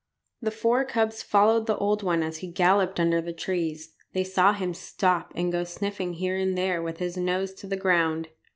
The four cubs followed the old one as he galloped under the trees. They saw him stop and go sniffing here and there with his nose to the ground.